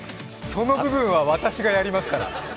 その部分は私がやりますから。